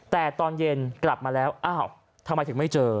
แต่ตอนเย็นกลับมาแล้วอ้าวทำไมถึงไม่เจอ